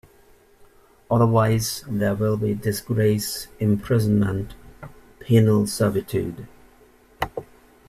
Otherwise there will be disgrace, imprisonment, penal servitude.